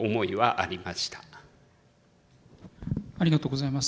ありがとうございます。